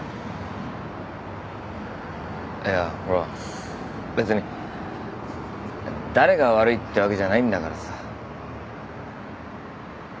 いやほら別に誰が悪いってわけじゃないんだからさ。